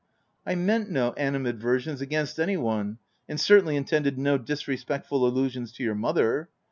"" I meant no animadversions against any one, and certainly intended no disrespectful allusions to your mother.